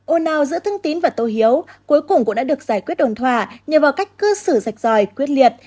ô nào giữa thương tín và tô hiếu cuối cùng cũng đã được giải quyết đồn thòa nhờ vào cách cư xử rạch ròi quyết liệt